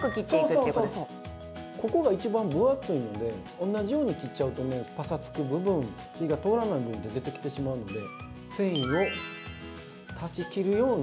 ここが一番分厚いので、同じように切っちゃうとパサつく部分、火が通らない部分が出てきてしまうので。